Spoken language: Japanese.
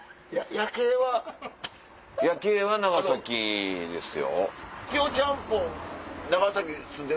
夜景は長崎ですよ。